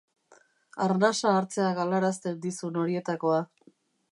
Arnasa hartzea galarazten dizun horietakoa.